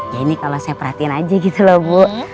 ya ini kalau saya perhatiin aja gitu loh bu